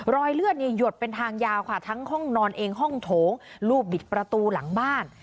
รอยเลือดเนี่ยหยดเป็นทางยาวค่ะทั้งห้องนอนเองห้องโถงรูปบิดประตูหลังบ้าน